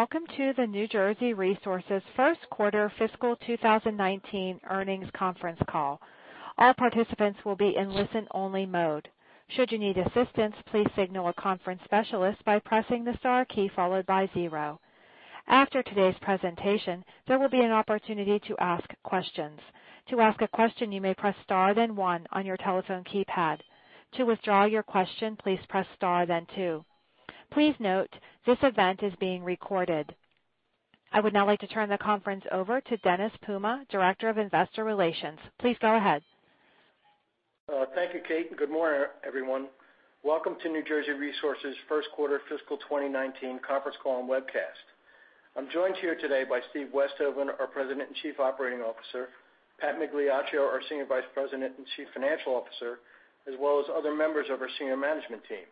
Good morning, welcome to the New Jersey Resources first quarter fiscal 2019 earnings conference call. All participants will be in listen-only mode. Should you need assistance, please signal a conference specialist by pressing the star key followed by zero. After today's presentation, there will be an opportunity to ask questions. To ask a question, you may press star then one on your telephone keypad. To withdraw your question, please press star then two. Please note, this event is being recorded. I would now like to turn the conference over to Dennis Puma, Director of Investor Relations. Please go ahead. Thank you, Kate, good morning, everyone. Welcome to New Jersey Resources' first quarter fiscal 2019 conference call and webcast. I'm joined here today by Steve Westhoven, our President and Chief Operating Officer, Pat Migliaccio, our Senior Vice President and Chief Financial Officer, as well as other members of our senior management team.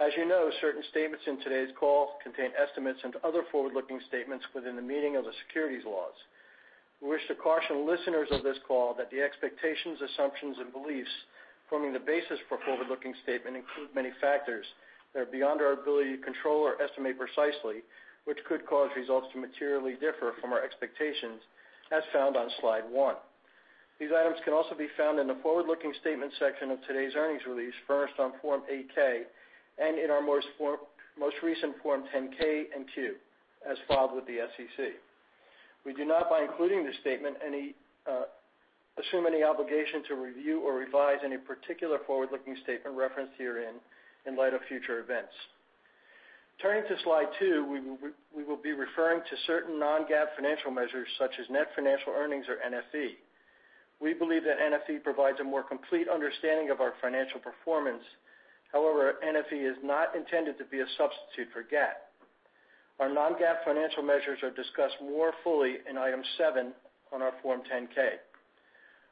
As you know, certain statements in today's call contain estimates and other forward-looking statements within the meaning of the securities laws. We wish to caution listeners of this call that the expectations, assumptions, and beliefs forming the basis for forward-looking statement include many factors that are beyond our ability to control or estimate precisely, which could cause results to materially differ from our expectations as found on slide one. These items can also be found in the forward-looking statement section of today's earnings release, furnished on Form 8-K, and in our most recent Form 10-K and 10-Q, as filed with the SEC. We do not, by including this statement, assume any obligation to review or revise any particular forward-looking statement referenced herein in light of future events. Turning to slide two, we will be referring to certain non-GAAP financial measures such as net financial earnings or NFE. We believe that NFE provides a more complete understanding of our financial performance. However, NFE is not intended to be a substitute for GAAP. Our non-GAAP financial measures are discussed more fully in item seven on our Form 10-K.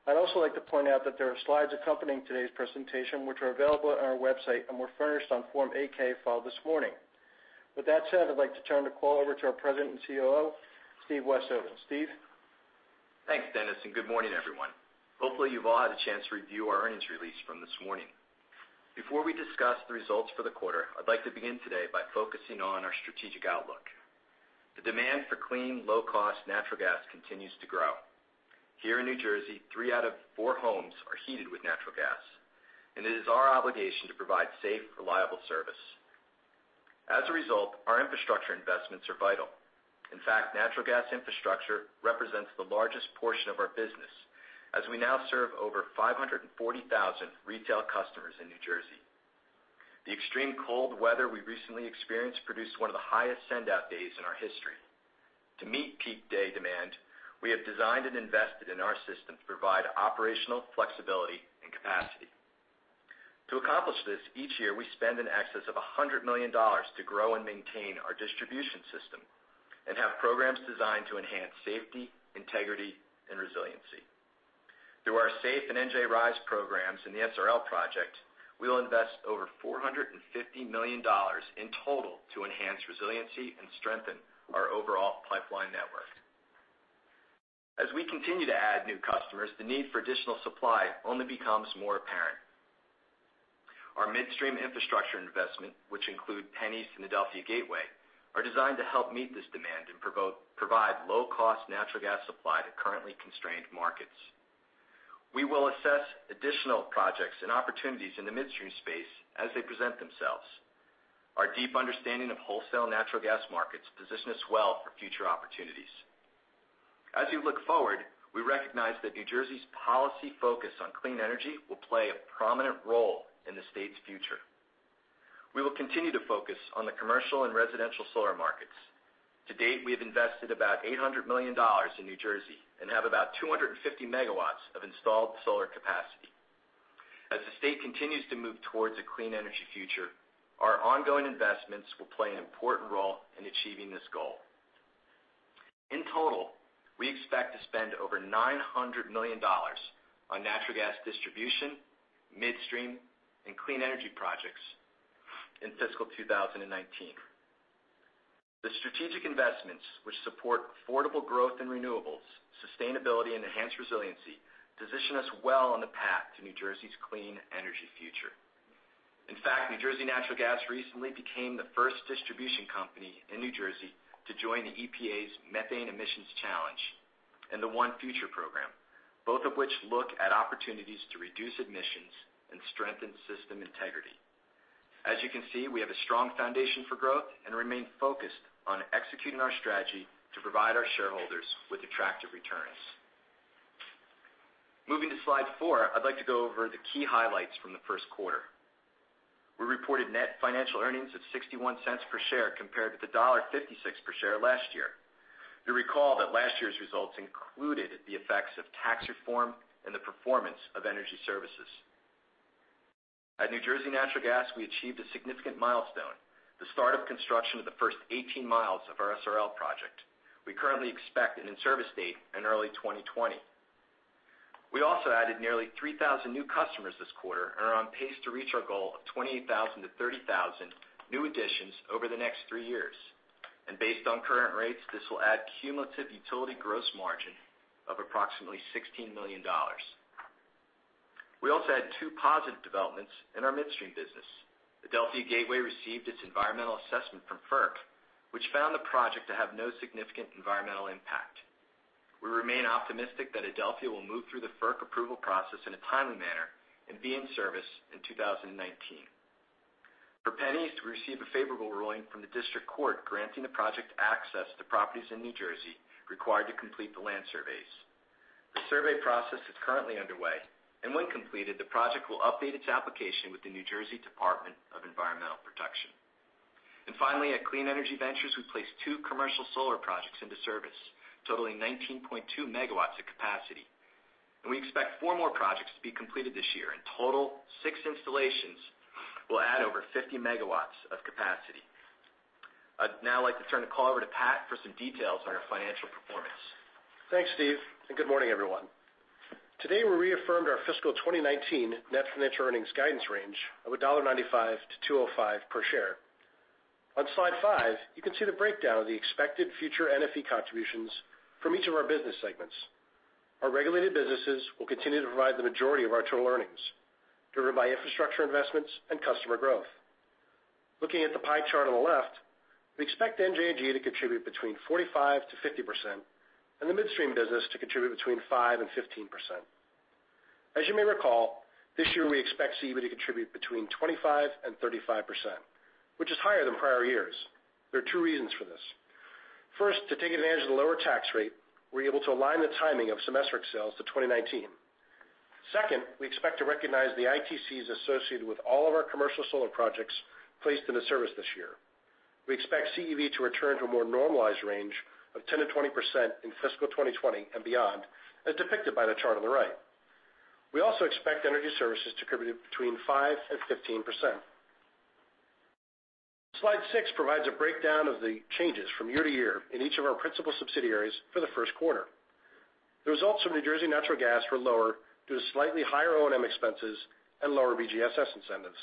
I'd also like to point out that there are slides accompanying today's presentation, which are available on our website and were furnished on Form 8-K filed this morning. With that said, I'd like to turn the call over to our President and COO, Steve Westhoven. Steve? Thanks, Dennis, and good morning, everyone. Hopefully you've all had a chance to review our earnings release from this morning. Before we discuss the results for the quarter, I'd like to begin today by focusing on our strategic outlook. The demand for clean, low-cost natural gas continues to grow. Here in New Jersey, three out of four homes are heated with natural gas, and it is our obligation to provide safe, reliable service. As a result, our infrastructure investments are vital. In fact, natural gas infrastructure represents the largest portion of our business, as we now serve over 540,000 retail customers in New Jersey. The extreme cold weather we recently experienced produced one of the highest send-out days in our history. To meet peak day demand, we have designed and invested in our system to provide operational flexibility and capacity. To accomplish this, each year we spend in excess of $100 million to grow and maintain our distribution system and have programs designed to enhance safety, integrity, and resiliency. Through our SAFE and NJ RISE programs and the SRL project, we will invest over $450 million in total to enhance resiliency and strengthen our overall pipeline network. As we continue to add new customers, the need for additional supply only becomes more apparent. Our midstream infrastructure investment, which include PennEast and Adelphia Gateway, are designed to help meet this demand and provide low-cost natural gas supply to currently constrained markets. We will assess additional projects and opportunities in the midstream space as they present themselves. Our deep understanding of wholesale natural gas markets position us well for future opportunities. As we look forward, we recognize that New Jersey's policy focus on clean energy will play a prominent role in the state's future. We will continue to focus on the commercial and residential solar markets. To date, we have invested about $800 million in New Jersey and have about 250 MW of installed solar capacity. As the state continues to move towards a clean energy future, our ongoing investments will play an important role in achieving this goal. In total, we expect to spend over $900 million on natural gas distribution, midstream, and clean energy projects in fiscal 2019. The strategic investments, which support affordable growth in renewables, sustainability, and enhanced resiliency, position us well on the path to New Jersey's clean energy future. In fact, New Jersey Natural Gas recently became the first distribution company in New Jersey to join the EPA's Methane Challenge Program and the ONE Future program, both of which look at opportunities to reduce emissions and strengthen system integrity. As you can see, we have a strong foundation for growth and remain focused on executing our strategy to provide our shareholders with attractive returns. Moving to slide four, I'd like to go over the key highlights from the first quarter. We reported net financial earnings of $0.61 per share compared with $1.56 per share last year. You'll recall that last year's results included the effects of tax reform and the performance of energy services. At New Jersey Natural Gas, we achieved a significant milestone, the start of construction of the first 18 miles of our SRL project. We currently expect an in-service date in early 2020. We also added nearly 3,000 new customers this quarter and are on pace to reach our goal of 28,000-30,000 new additions over the next three years. Based on current rates, this will add cumulative utility gross margin of approximately $16 million. We also had two positive developments in our midstream business. Adelphia Gateway received its environmental assessment from FERC, which found the project to have no significant environmental impact. We remain optimistic that Adelphia will move through the FERC approval process in a timely manner and be in service in 2019. For PennEast, we received a favorable ruling from the district court granting the project access to properties in New Jersey required to complete the land surveys. The survey process is currently underway, and when completed, the project will update its application with the New Jersey Department of Environmental Protection. Finally, at Clean Energy Ventures, we placed two commercial solar projects into service, totaling 19.2 MW of capacity. We expect four more projects to be completed this year. In total, six installations will add over 50 megawatts of capacity. I'd now like to turn the call over to Pat for some details on our financial performance. Thanks, Steve, and good morning, everyone. Today, we reaffirmed our fiscal 2019 net financial earnings guidance range of $1.95-$2.05 per share. On slide five, you can see the breakdown of the expected future NFE contributions from each of our business segments. Our regulated businesses will continue to provide the majority of our total earnings, driven by infrastructure investments and customer growth. Looking at the pie chart on the left, we expect NJNG to contribute between 45%-50% and the midstream business to contribute between 5%-15%. As you may recall, this year we expect CEV to contribute between 25%-35%, which is higher than prior years. There are two reasons for this. First, to take advantage of the lower tax rate, we're able to align the timing of semestric sales to 2019. Second, we expect to recognize the ITCs associated with all of our commercial solar projects placed into service this year. We expect CEV to return to a more normalized range of 10%-20% in fiscal 2020 and beyond, as depicted by the chart on the right. We also expect energy services to contribute between 5%-15%. Slide six provides a breakdown of the changes from year-over-year in each of our principal subsidiaries for the first quarter. The results from New Jersey Natural Gas were lower due to slightly higher O&M expenses and lower BGSS incentives.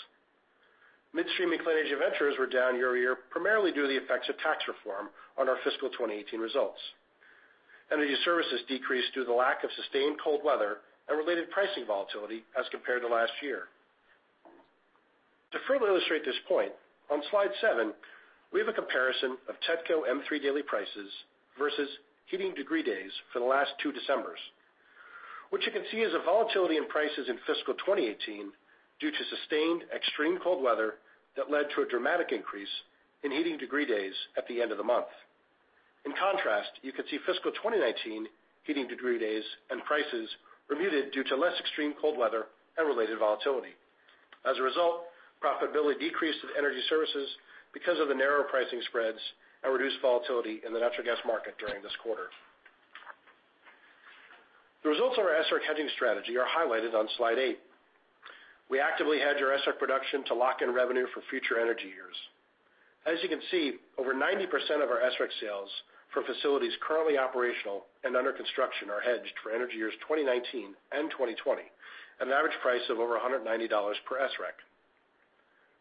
Midstream and Clean Energy Ventures were down year-over-year, primarily due to the effects of tax reform on our fiscal 2018 results. Energy services decreased due to the lack of sustained cold weather and related pricing volatility as compared to last year. To further illustrate this point, on slide seven, we have a comparison of TETCO M-3 daily prices versus heating degree days for the last two Decembers. What you can see is a volatility in prices in fiscal 2018 due to sustained extreme cold weather that led to a dramatic increase in heating degree days at the end of the month. In contrast, you could see fiscal 2019 heating degree days and prices were muted due to less extreme cold weather and related volatility. Profitability decreased in energy services because of the narrow pricing spreads and reduced volatility in the natural gas market during this quarter. The results of our SREC hedging strategy are highlighted on slide eight. We actively hedged our SREC production to lock in revenue for future energy years. Over 90% of our SREC sales for facilities currently operational and under construction are hedged for energy years 2019 and 2020, at an average price of over $190 per SREC.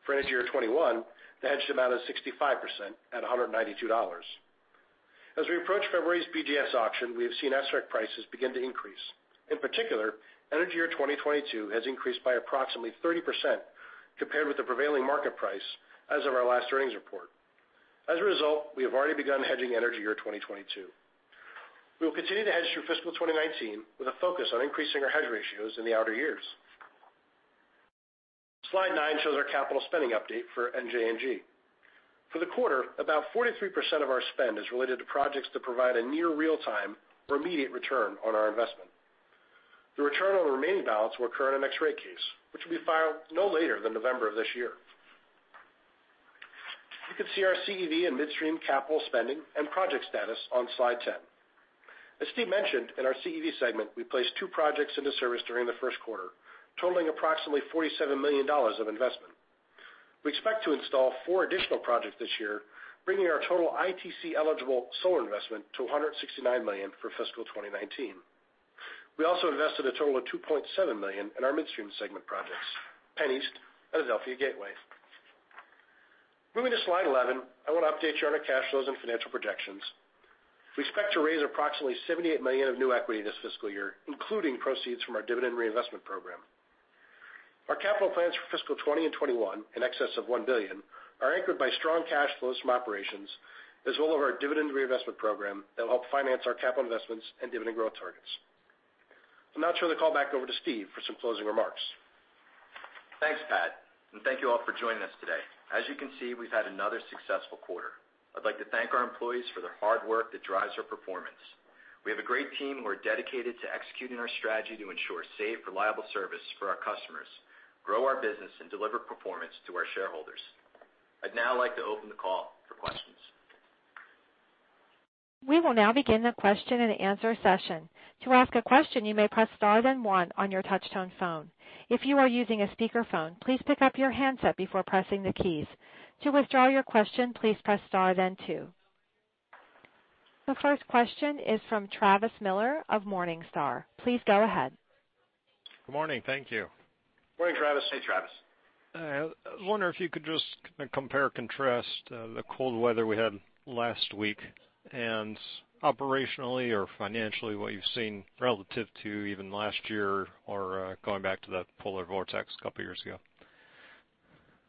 For energy year 2021, the hedged amount is 65% at $192. As we approach February's BGS auction, we have seen SREC prices begin to increase. In particular, energy year 2022 has increased by approximately 30% compared with the prevailing market price as of our last earnings report. We have already begun hedging energy year 2022. We will continue to hedge through fiscal 2019 with a focus on increasing our hedge ratios in the outer years. Slide nine shows our capital spending update for NJNG. For the quarter, about 43% of our spend is related to projects to provide a near real-time or immediate return on our investment. The return on the remaining balance will occur in the next rate case, which will be filed no later than November of this year. You can see our CEV and midstream capital spending and project status on slide 10. Steve mentioned, in our CEV segment, we placed two projects into service during the first quarter, totaling approximately $47 million of investment. We expect to install four additional projects this year, bringing our total ITC-eligible solar investment to $169 million for fiscal 2019. We also invested a total of $2.7 million in our midstream segment projects, PennEast and Adelphia Gateway. Moving to slide 11, I want to update you on our cash flows and financial projections. We expect to raise approximately $78 million of new equity this fiscal year, including proceeds from our dividend reinvestment program. Our capital plans for fiscal 2020 and 2021, in excess of $1 billion, are anchored by strong cash flows from operations, as well as our dividend reinvestment program that will help finance our capital investments and dividend growth targets. I'll now turn the call back over to Steve for some closing remarks. Thank you all for joining us today. As you can see, we've had another successful quarter. I'd like to thank our employees for their hard work that drives our performance. We have a great team who are dedicated to executing our strategy to ensure safe, reliable service for our customers, grow our business, and deliver performance to our shareholders. I'd now like to open the call for questions. We will now begin the question-and-answer session. To ask a question, you may press star then one on your touch-tone phone. If you are using a speakerphone, please pick up your handset before pressing the keys. To withdraw your question, please press star then two. The first question is from Travis Miller of Morningstar. Please go ahead. Good morning. Thank you Morning, Travis. Hey, Travis. I was wondering if you could just compare and contrast the cold weather we had last week and operationally or financially what you've seen relative to even last year or going back to the polar vortex a couple of years ago?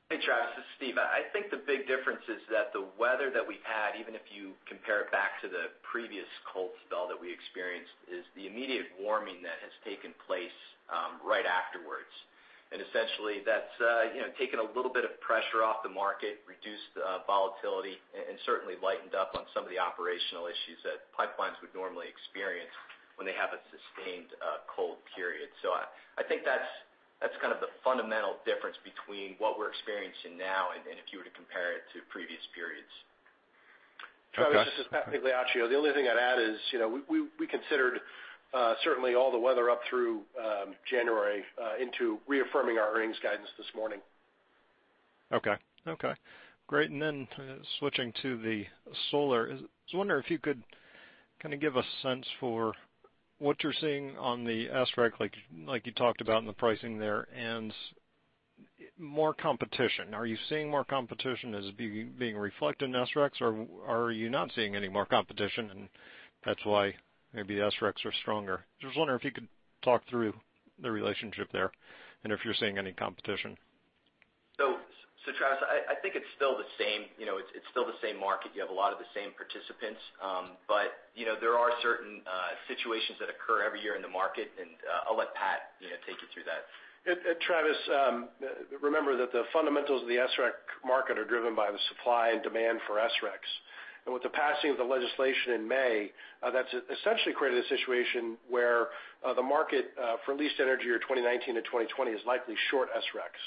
Hey, Travis, this is Steve. I think the big difference is that the weather that we had, even if you compare it back to the previous cold spell that we experienced, is the immediate warming that has taken place right afterwards. Essentially, that's taken a little bit of pressure off the market, reduced the volatility, and certainly lightened up on some of the operational issues that pipelines would normally experience when they have a sustained cold period. I think that's kind of the fundamental difference between what we're experiencing now and if you were to compare it to previous periods. Okay. Travis, this is Pat Migliaccio. The only thing I'd add is, we considered certainly all the weather up through January into reaffirming our earnings guidance this morning. Okay. Great. Then switching to the solar, I was wondering if you could kind of give a sense for what you're seeing on the SREC, like you talked about in the pricing there, and more competition. Are you seeing more competition that is being reflected in SRECs? Or are you not seeing any more competition, and that's why maybe the SRECs are stronger? Just wondering if you could talk through the relationship there and if you're seeing any competition. Travis, I think it's still the same market. You have a lot of the same participants. There are certain situations that occur every year in the market, and I'll let Pat take you through that. Travis, remember that the fundamentals of the SREC market are driven by the supply and demand for SRECs. With the passing of the legislation in May, that's essentially created a situation where the market for at least energy year 2019 to 2020 is likely short SRECs.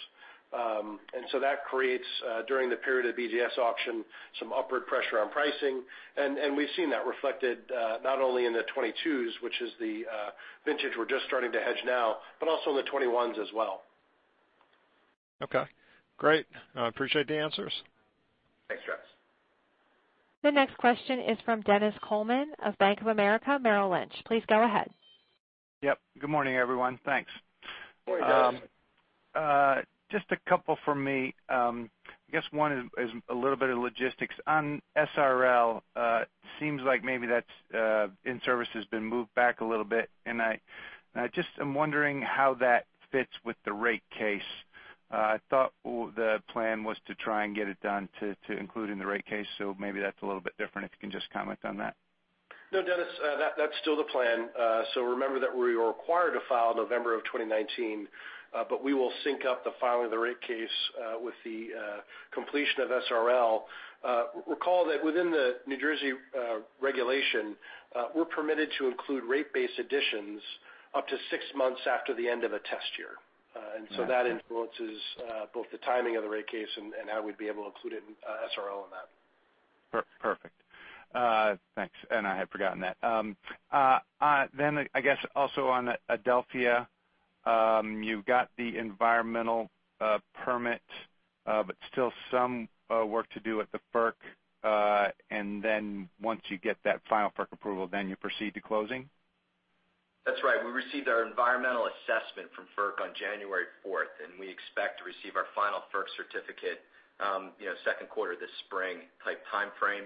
That creates, during the period of BGS auction, some upward pressure on pricing. We've seen that reflected not only in the 2022, which is the vintage we're just starting to hedge now, but also in the 2021s as well. Okay. Great. I appreciate the answers. Thanks, Travis. The next question is from Dennis Coleman of Bank of America Merrill Lynch. Please go ahead. Yep. Good morning, everyone. Thanks. Morning, Dennis. Just a couple from me. I guess one is a little bit of logistics. On SRL, seems like maybe that in-service has been moved back a little bit, and I just am wondering how that fits with the rate case. I thought the plan was to try and get it done to include in the rate case, so maybe that's a little bit different, if you can just comment on that. No, Dennis. That's still the plan. Remember that we were required to file November 2019. We will sync up the filing of the rate case with the completion of SRL. Recall that within the New Jersey regulation, we're permitted to include rate base additions up to six months after the end of a test year. Okay. That influences both the timing of the rate case and how we'd be able to include SRL in that. Perfect. Thanks. I had forgotten that. I guess also on Adelphia, you've got the environmental permit. Still some work to do at the FERC. Once you get that final FERC approval, you proceed to closing? That's right. We received our environmental assessment from FERC on January 4th. We expect to receive our final FERC certificate second quarter this spring type timeframe.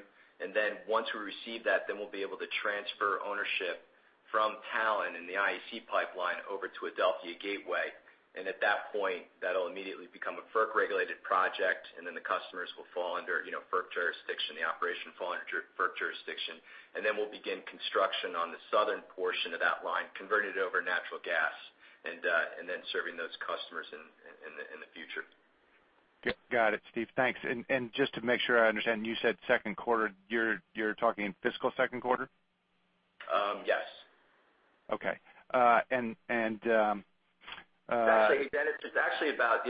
Once we receive that, we'll be able to transfer ownership from Talen and the IEC pipeline over to Adelphia Gateway. At that point, that'll immediately become a FERC-regulated project. The customers will fall under FERC jurisdiction, the operation will fall under FERC jurisdiction. We'll begin construction on the southern portion of that line, convert it over to natural gas, serving those customers in the future. Got it, Steve. Thanks. Just to make sure I understand, you said second quarter. You're talking fiscal second quarter? Yes. Okay. Actually, Dennis, it's actually about,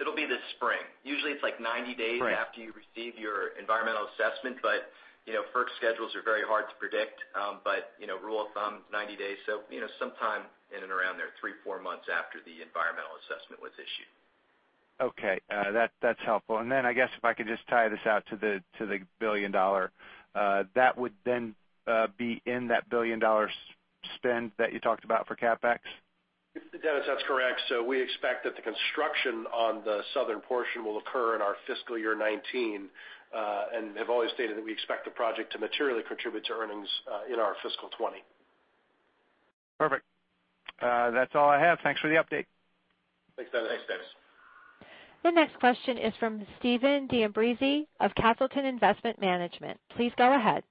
it'll be this spring. Usually it's like 90 days. Right. After you receive your environmental assessment, FERC schedules are very hard to predict. Rule of thumb, 90 days. Sometime in and around there, three, four months after the environmental assessment was issued. Okay. That's helpful. I guess if I could just tie this out to the billion-dollar, that would then be in that billion-dollar spend that you talked about for CapEx? Dennis, that's correct. We expect that the construction on the southern portion will occur in our fiscal year 2019, and have always stated that we expect the project to materially contribute to earnings in our fiscal 2020. Perfect. That's all I have. Thanks for the update. Thanks, Dennis. Thanks, Dennis. The next question is from Stephen D'Ambrosi of Castleton Investment Management. Please go ahead.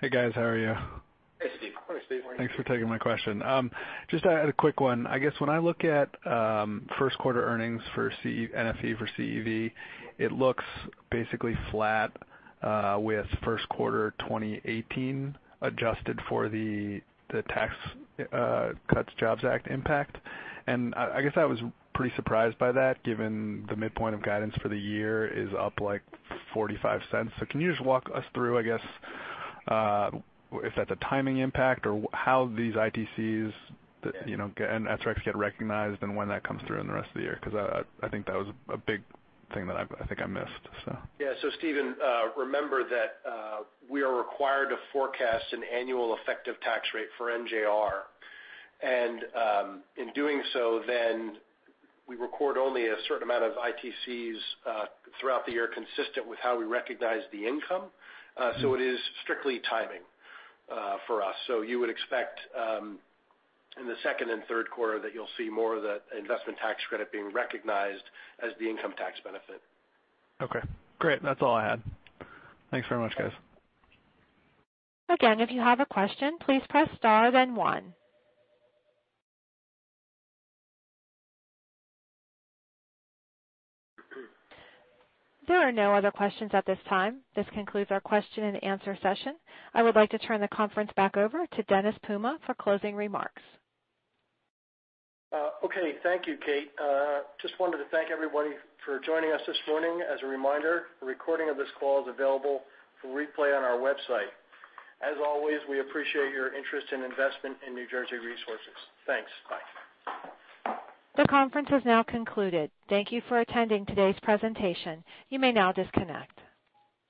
Hey, guys. How are you? Hey, Steve. Hi, Steve. Morning. Thanks for taking my question. Just a quick one. I guess when I look at first quarter earnings for NFE for CEV, it looks basically flat with first quarter 2018 adjusted for the Tax Cuts and Jobs Act impact. I guess I was pretty surprised by that given the midpoint of guidance for the year is up like $0.45. Can you just walk us through, I guess, if that's a timing impact or how these ITCs and SRECs get recognized and when that comes through in the rest of the year? Because I think that was a big thing that I think I missed. Yeah. Steven, remember that we are required to forecast an annual effective tax rate for NJR. In doing so, then we record only a certain amount of ITCs throughout the year consistent with how we recognize the income. It is strictly timing for us. You would expect in the second and third quarter that you'll see more of the investment tax credit being recognized as the income tax benefit. Okay, great. That's all I had. Thanks very much, guys. Again, if you have a question, please press star then one. There are no other questions at this time. This concludes our question and answer session. I would like to turn the conference back over to Dennis Puma for closing remarks. Okay. Thank you, Kate. Just wanted to thank everybody for joining us this morning. As a reminder, a recording of this call is available for replay on our website. As always, we appreciate your interest and investment in New Jersey Resources. Thanks. Bye. The conference has now concluded. Thank you for attending today's presentation. You may now disconnect.